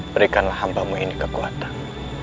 berikanlah hambamu ini kekuatan